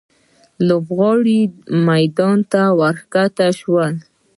لوبغاړي میدان ته ښکته شول.